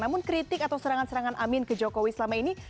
namun kritik atau serangan serangan amin ke jokowi selama ini